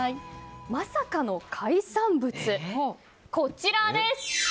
まさかの海産物、こちらです。